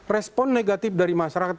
respon negatif dari masyarakat